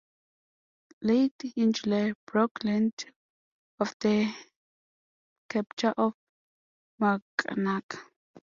Late in July, Brock learned of the capture of Mackinac.